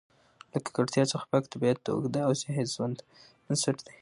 له ککړتیا څخه پاک طبیعت د اوږده او صحي ژوند بنسټ دی.